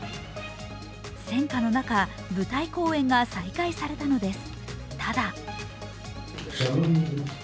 戦火の中、舞台公演が再開されたのです。